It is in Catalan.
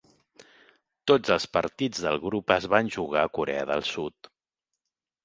Tots els partits del grup es van jugar a Corea del Sud.